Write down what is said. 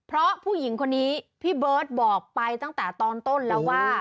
เพราะผู้หญิงคนนี้พี่เบิร์ตบอกไปตั้งแต่ตอนต้นแล้วว่า